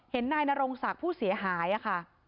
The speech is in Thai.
เห็นนายนโรงศักดิ์ผู้เสียหายอะค่ะ